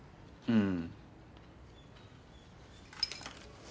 うん。